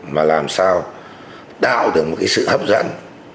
mà làm sao tạo được một cái sự hấp dẫn